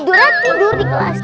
tiduran tidur di kelas